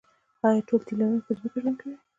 ایا ټول تی لرونکي په ځمکه ژوند کوي